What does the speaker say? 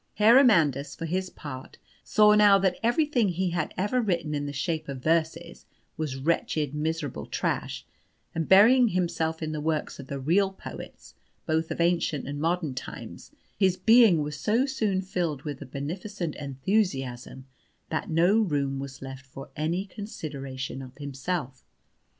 Herr Amandus, for his part, saw now that everything he had ever written in the shape of verses was wretched, miserable trash, and, burying himself in the works of the real poets, both of ancient and modern times, his being was soon so filled with a beneficent enthusiasm that no room was left for any consideration of himself.